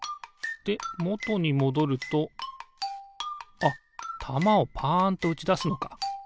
でもとにもどるとあったまをパンとうちだすのか。